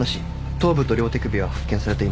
頭部と両手首は発見されていません。